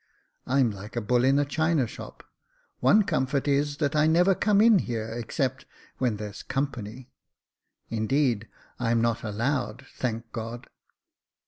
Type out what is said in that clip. I'm like a bull in a china shop. One comfort is that I never come in here except when there's company. Indeed, I'm not allowed, thank God.